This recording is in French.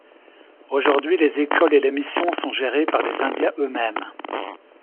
Aujourd'hui les écoles et les missions sont gérées par les Indiens eux-mêmes.